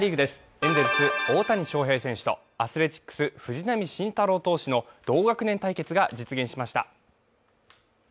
エンゼルス・大谷翔平選手とアスレチックス・藤浪晋太郎投手の同学年対決が実現しました。